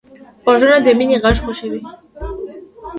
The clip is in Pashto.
غوږونه د مینې غږ خوښوي